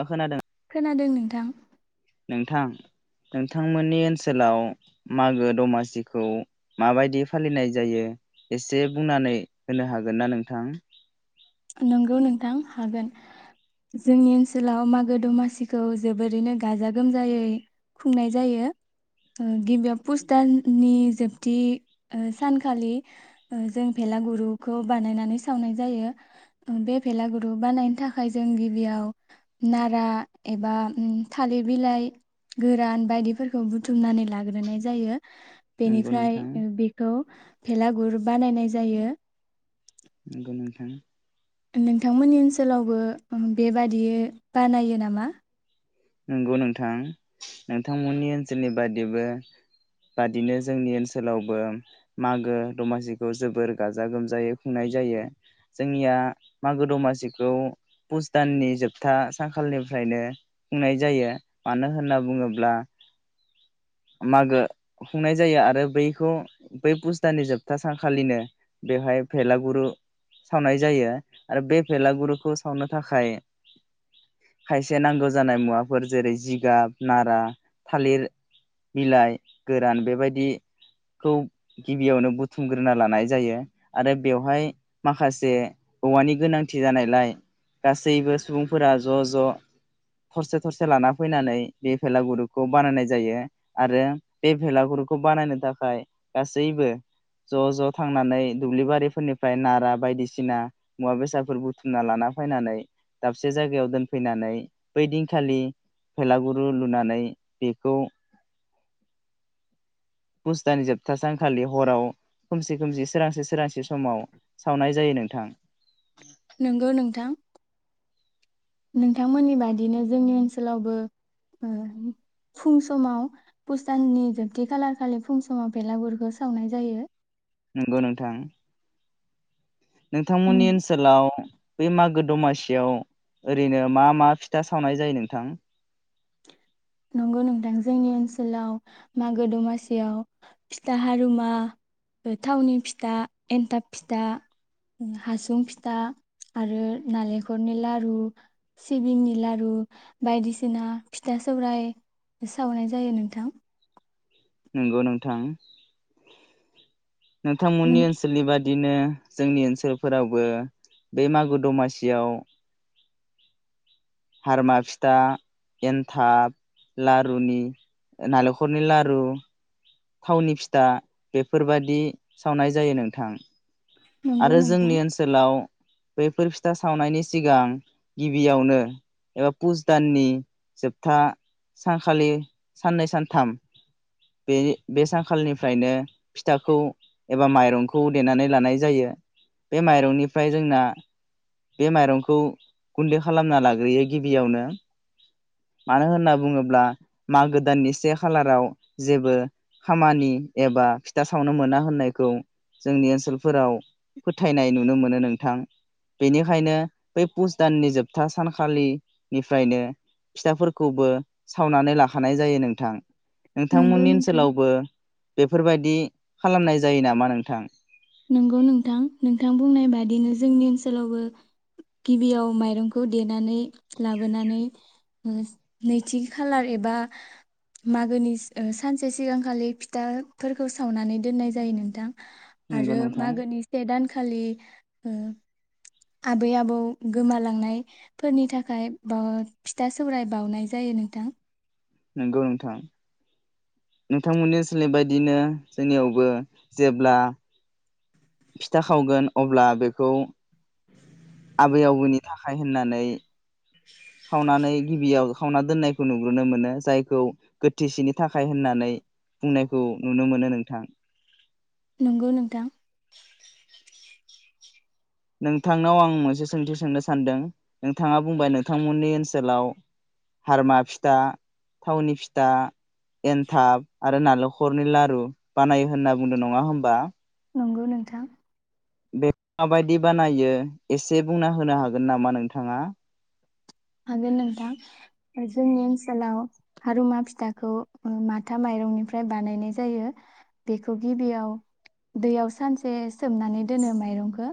ओ खोनादों। खोनादों नोंथां। नोंथां नोंथांमोननि ओनसोलाव मागो दमासिखौ माबायदि फालिनाय जायो एसे बुंनानै होनो हागोन ना नोंथां? नंगौ नोंथां हागोन जोंनि ओनसोलाव मागो दमासिखौ जोबोरैनो गाजा गोमजायै खुंनाय जायो ओ गिबियाव पुसदाननि जोबथि सानखालि जों भेलागुरुखौ बानायनानै सावनाय जायो। ओ बे भेलागुरु बानायनो थाखाय जों गिबियाव नारा एबा थालिर बिलाइ गोरान बायदिफोरखौ बुथुमनानै लाग्रोनाय जायो। नंगौ बेनिफ्राय नोंथां बेखौ भेलागुर बानायनाय जायो। नोंखौ नोंथां। नोंथांमोननि ओनसोलावबो बेबादि बानायो नामा? नंगौ नोंथां नोंथांमोननि ओनसोलनि बादिबो बादिनो जोंनि ओनसोलावबो मागो दमासिखौ जोबोर गाजा गोमजायै खुंनाय जायो जोंनिया मागो दमासिखौ पुस दाननि जोबथा सानखाालनिफ्रायनो खुंनाय जायो मानो होनना बुङोब्ला मागो खुंनाय जायो आरो बैखौ बै फुस दाननि जोबथा सानखालिनो बेवहाय भेलागुरु सावनाय जायो आरो बे भेलागुरुखौ सावनो थाखाय खायसे नांगौ जानाय मुवाफोर जेरै जिगाब नारा थालिर बिलाइ गोरान बेबायदिखौ गिबियावनो बुथुमग्रोना लानाय जायो आरो बेवहाय माखासे औवानि गोनांथि जानायलाय गासैबो सुबुंफोरा ज' ज' थरसे थरसे लाना फैनानै बे भेलागुरुखौ बानायनाय जायो आरो बे भेलागुरुखौ बानायनो थाखाय गासैबो ज' ज' थांनानै दुब्लि बारिफोरनिफ्राय नारा बायदिसिना मुवा बेसादफोर बुथुमना लाना फैनानै दाबसे जायगायाव दोनफैनानै बैदिनखालि भेलागुरु लुनानै बेखौ फुस दाननि जोबथा सानखालि हराव खोमसि खोमसि सोरांसि सोरांसि समाव सावनाय जायो नोंथां। नंगौ नोंथां नोंथांमोननि बादिनो जोंनि ओनसोलावबो ओ फुं समावपुस दाननि जोबथि खालार खालि फुं समाव बेलागुरखौ सावनाय जायो। नंगौ नोंथां। नोंथांमोननि ओनसोलाव बै मागो दमासियाव ओरैनो मा मा फिथा सावनाय जायो नोंथां? नंगौ नोंथां जोंनि ओनसोलाव मागो दमासियाव फिथा हारुमा थावनि फिथा एन्थाब फिथा हासुं फिथा आरो नालेंखरनि लारु सिबिंनि लारु बायदिसिना फिथा सौराय सावनाय जायो नोंथां। नंगौ नोंथां। नोंथां नों मोननि ओनसोलनि बादि बिदिनो जोंनि ओनसोलफोरावबो बे मागो दमासियाव हारमा फिथा एन्थाब लारुनि नालेंखरनि लारु थावनि फिथा बेफोरबायदि सावनाय जायो नोंथां। नंगौ आरो नोंथां जोंनि ओनसोलाव बैफोर फिथा सावनायनि सिगां गिबियावनो एबा पुज दाननि जोबथा सानखालि साननै सानथाम बे बे सानखालिनिफ्रायनो फिथाखौ एबा माइरंखौ देनानै लानाय ज जायो बे माइरंनिफ्राय जोंना बे माइरंखौ गुन्दै खालामना लाग्रोयो गिबियावनो मानो होनना बुङोब्ला मागो दाननि से खालाराव जेबो खामानि एबा फिथा सावनो मोना होननायखौ जोंनि ओनसोल फोराव फोथायनाय नुनो मोनो नोंथां बेनिखायनो ब पुस दाननि जोबथा सानखालिनिफ्रायनो फिथाफोरखौबो सावनानै लाखानाय जायो नोंथां। नंगौ नोंथांमोननि नोंथां ओनसोलावबो बेफोरबायदि खालामनाय जायो नामा नोंथां? नंगौ नोंथां नोंथां बुंनाय बादिनो जोंनि ओनसोलावबो गिबियाव माइरंखौ देनानै लाबोनानै ओ नैथि खालार एबा मागोनि सानसे सिगांखालि फिथाफोरखौ सावनानै दोननाय जायो नोंथां। नंगौ आरो नोंथां मागोनि से दानखालि ओ आबै-आबौ गोमालांनायफोरनि थाखाय बा फिथा-सौराय बाउनाय जायो नोंथां। नंगौ नोंथां नोंथांमोननि ओनसोलनि बायदिनो जोंनियावबो जेब्ला फिथा खावगोन अब्ला बेखौ आबै आबौनि थाखाय होननानै खावनानै गिबियाव खावना दोननायखौ नुग्रोनो मोनो जायखौ गोथिसेनि थाखाय होननानै बुंनायखौ नुनो मोनो नोंथां। नंगौ नोंथां। नोंथांनाव आं मोनसे सोंथि सोंनो सानदों नोंथाङा बुंबाय नोंथांमोननि ओनसोलाव हारमा फिथा, थावनि फिथा एन्थाब आरो नाल खरनि लारु बानायो होनना बुंदों नङा होमबा? नंगौ नोंथां। बेखौ माबायदि बानायो एसे बुंना होनो हागोन नामा नोंथाङा? हागोन नोंथां जोंनि ओनसोलाव हारुमा फिथाखौ माथा माइरंनिफ्राय बानायनाय जायो बेखौ गिबियाव दैयाव सानसे सोमनानै दोनो माइरंखो।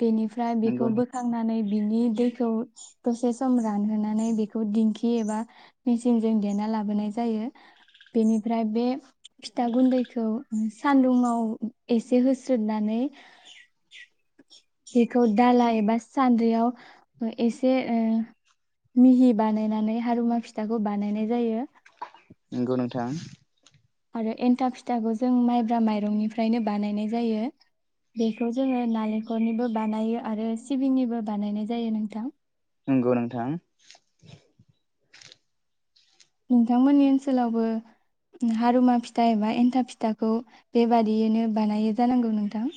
बेनिफ्राय बेखौ नंगौ बोखांनानै बिनि दैखौ दसे सम रानहोनानै बेखौ दिंखि एबा मेचिनजों देना लाबोनाय जायो बेनिफ्राय बे फिथा गुन्दैखौ सानदुंआव एसे होस्रोदनानै बेखौ दाला एबा सान्द्रियाव ए से ओ मिहि बानायनानै हारुमा फिथाखौ बानायनाय जायो। नंगौ नोंथां। आरो एन्था फिथाखौ जों माइब्रा माइरंनिफ्रायनो बानायनाय जायो बेखौ जोङो नालेंखलनिबो बानायो आरो सिबिंनिबो बानायनाय जायो नोंथां। नंगौ नोंथां। नोंथांमोननि ओनसोलावबो हारुमा फिथा एबा एन्थाब फिथाखौ बेबादियैनो बानायो जानांगौ नोंथां?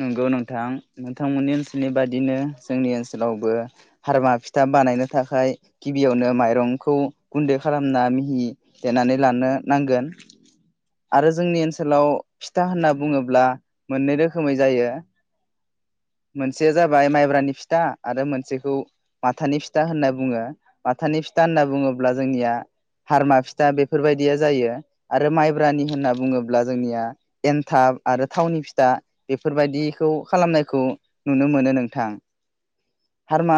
नंगौ नोंथां नोंथांमोननि ओनसोलनि बादिनो जोंनि ओनसोलावबो हारमा फिथा बानायनो थाखाय गिबियावनो माइरंखौ गुन्दै खालामना मिहि देनानै लानो नांगोन आरो जोंनि ओनसोलाव फिथा होनना बुङोब्ला मोननै रो खोमै जायो मोनसेया जाबाय माइब्रानि फिथा आरो मोनसेखौ माथानि फिथा होनना बुङो माथानि फिथा होनना बुङोब्ला जोंनिया हारमा फिथा बेफोरबायदिया जायो आरो माइब्रानि होनना बुङोब्ला जोंनिया एनथाब आरो थावनि फिथा बेफोरबायदिखौ खालामनायखौ नुनो मोनो नोंथां हारमा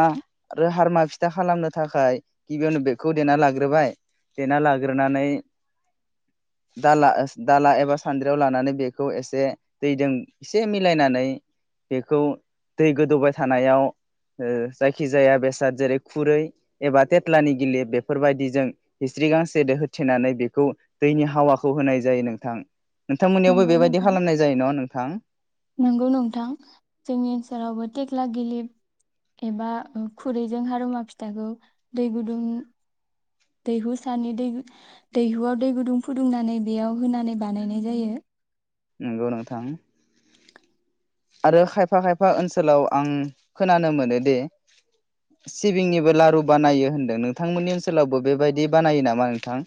आरो हारमा फिथा खालामनो थाखाय गिबियावनो बेखौ देना लाग्रोबाय देना लाग्रोनानै दाला दाला एबा सान्द्रियाव लानानै बेखौ एसे दैजों एसे मिलायनानै बेखौ दै गोदौबाय थानायाव ओ जायखिजाया बेसाद जेरै खुरै एबा थेथ्लानि [unintelligible] बेफोरबायदिजों हिस्रि गांसेदो होथेनानै बेखौ दैनि हावाखौ होनाय जायो नोंथां। नोंथांमोननियावबो नंगौ बेबायदि नोंथां खालामनाय जायो न' नोंथां? नंगौ नोंथां जोंनि ओनसोलावबो थेक्ला गिलिब एबा खुरैजों हारुमा फिथाखौ दै गुदुं दैहु सानि दै दैहुआव दै गुदुं फुदुंनानै बेयाव होनानै बानायनाय जायो। नंगौ नोंथां आरो खायफा खायफा ओनसोलाव आं खोनानो मोनोदि सिबिंनिबो लारु बानायो होनदों नोंथांमोननि ओनसोलावबो बेबायदि बानायो नामा नोंथां?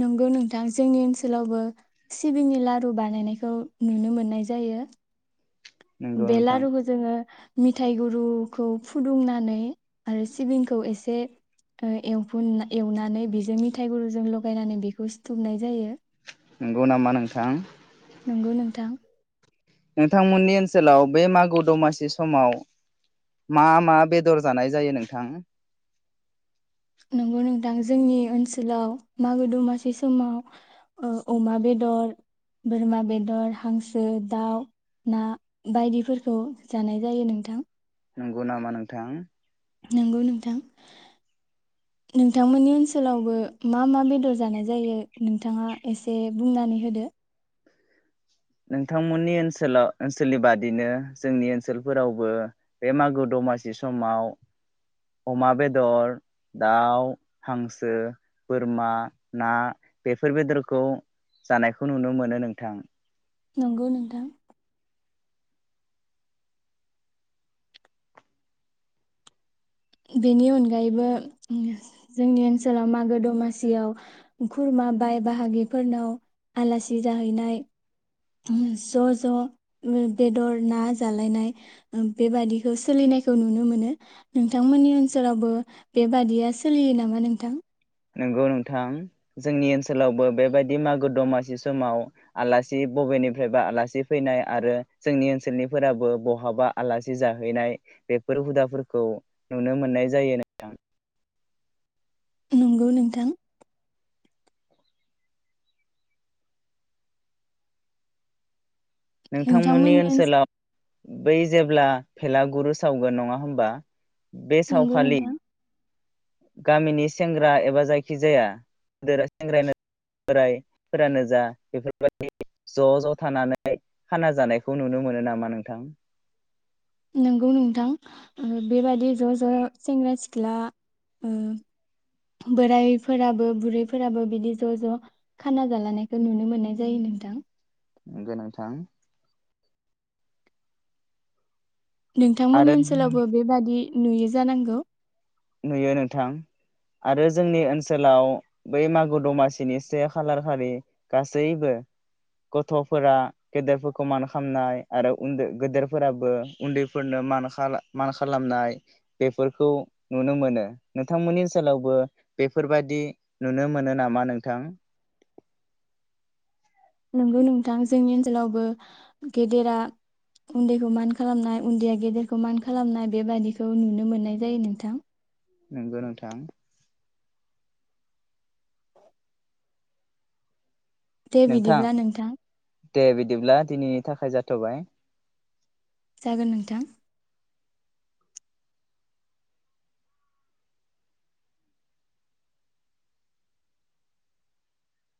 नंगौ नोंथां जोंनि ओनसोलावबो सिबिंनि लारु बानायनायखौ नुनो मोननाय जायो। नंगौ बे नोंथां लारुखौ जोङो मिथाइ गुरुखौ फुदुंनानै आरो सिबिंखौ एसे ओ एवफु एवनानै बेजों मिथायाइ गुरुजों लगायनानै बेखौ सिुथुमनाय जायो। नंगौ नामा नोंथां? नंगौ नोंथां। नोंथांमोननि ओनसोलाव बे मागो दमासि समाव मा मा बेदर जानाय जायो नोंथां? नंगौ नोंथां जोंनि ओनसोलाव मागो दमासि समाव ओ अमा बेदर, बोरमा बेदर, हांसो, दाउ, ना बायदिफोरखौ जानाय जायो नोंथां। नंगौ नामा नोंथां? नंगौ नोंथां नोंथांमोननि ओनसोलावबो मा मा बेदर जानाय जायो? नोंथांङा एसे बुंनानै होदो नोंथांमोननि ओनसोलाव ओनसोलनि बादिनो जोंनि ओनसोलफोरावबो बे मागो दमासि समाव अमा बेदर, दाउ, हांसो, बोरमा, ना बेफोर बेदरखौ जानायखौ नुनो मोनो नोंथां। नंगौ नोंथां। बेनि अनगायैबो जोंनि ओनसोलाव मागो दमासियाव खुरमा बाय बाहागिफोरनाव आलासि जाहैनाय ज' ज' बेदर ना जालायनाय बेबादिखौ सोलिनायखौ नुनो मोनो नोंथांमोननि ओनसोलावबो बेबादिया सोलियो नामा नोंथां? नंगौ नोंथां जोंनि ओनसोलावबो बेबायदि मागो दमासि समाव आलासि बबेनिफ्रायबा आलासि फैनाय आरो जोंनि ओनसोलनिफोराबो बहाबा आलासि जाहैनाय बेफोर हुदाफोरखौ नुनो मोननाय जायो नोंथां। नंगौ नोंथां। नोंथांमोननि ओनसोलाव बै जेब्ला भेलागुरु सावगोन नङा होनोमबा? बे नंगौ सावखालि नोंथां गामिनि सेंग्रा एबा जायखिजाया [inaudible] सेंग्रायानो बोरायफोरानो जा बेफोरबायदि ज' ज' थानानै खाना जानायखौ नुनो मोनो नामा नोंथां? नोंगौ नोंथां ओ बेबादि ज' ज' सेंग्रा सिख्ला ओ बोरायफोराबो बुरैफोराबो बिदि ज' ज' खाना जालानायखौ नुनो मोननाय जायो नोंथां। नोंगो नोंथां। आरो नोंथांमोननि ओनसोलावबो बेबादि नुयो जानांगौ नुयो नोंथां, आरो जोंनि ओनसोलाव बै मागो दमासिनि से खालार खालि गासैबो, गथ'फोरा गेदेरफोरखौ मान खालामनाय आरो उन्दै गोदोरफोराबो उन्दैफोरनो मान मान खालामनाय बेफोरखौ नुनो मोनो नोंथांमोननि ओनसोलावबो बेफोरबादि नुनो मोनो नामा नोंथां? नंगौ नोंथां जोंनि ओनसोलावबो गेदेरा उन्दैखौ मान खालामनाय उन्दैया गेदेरखौ मान खालामनाय बेबादिखौ नुनो मोननाय जायो नोंथां। नंगौ नोंथां। दे बिदिब्ला नोंथां दे बिदिब्ला दिनैनि थाखाय जाथ'बाय, जागोन नोंथां